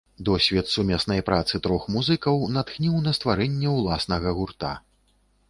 Досвед сумеснай працы трох музыкаў натхніў на стварэнне ўласнага гурта.